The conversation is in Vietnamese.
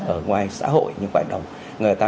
ở ngoài xã hội những hoạt động người ta